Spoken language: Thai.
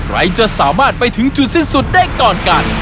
ใครจะสามารถไปถึงจุดสิ้นสุดได้ก่อนกัน